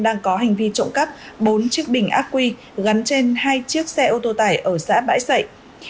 đang có hành vi trộm cắp bốn chiếc bình ác quy gắn trên hai chiếc xe ô tô tải ở xã bãi sậy